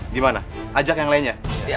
gimana ajak yang lainnya